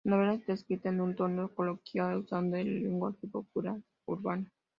La novela está escrita en un tono coloquial usando el lenguaje popular urbano.